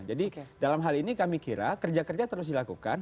jadi dalam hal ini kami kira kerja kerja terus dilakukan